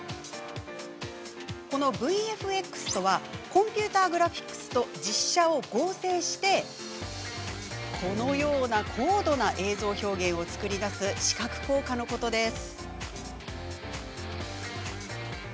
このＶＦＸとはコンピューターグラフィックスと実写を合成して、このような高度な映像表現を作り出す視覚効果のことです。